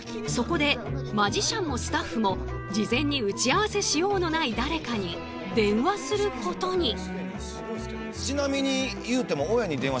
そこでマジシャンもスタッフも事前に打ち合わせしようのない誰かに電話することに。